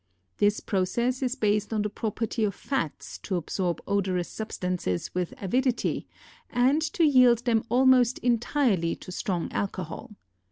This process is based on the property of fats to absorb odorous substances with avidity and to yield them almost entirely to strong alcohol.